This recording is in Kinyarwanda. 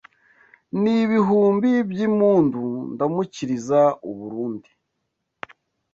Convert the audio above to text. N’ibihumbi by’impundu Ndamukiriza u Burundi